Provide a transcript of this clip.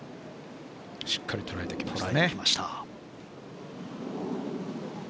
しっかり捉えてきましたね。